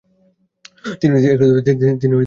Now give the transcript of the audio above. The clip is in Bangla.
তিনি এ কথা উল্লেখ করেছেন।